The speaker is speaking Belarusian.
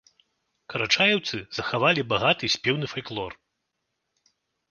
Карачаеўцы захавалі багаты спеўны фальклор.